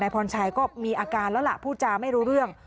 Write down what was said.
พรชัยก็มีอาการแล้วล่ะพูดจาไม่รู้เรื่อง